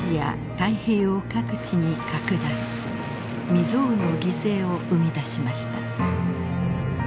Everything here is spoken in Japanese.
未曽有の犠牲を生み出しました。